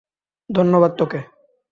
ধন্যবাদ, তোকে।